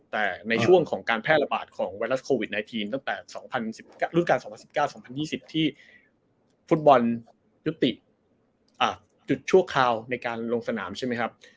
แต่ในช่วงของการแพร่ระบาดของไวรัสโควิด๑๙ตั้งแต่๒๐รุ่นการ๒๐๑๙๒๐๒๐ที่ฟุตบอลยุติจุดชั่วคราวในการลงสนามใช่ไหมครับ